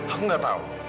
aku gak tahu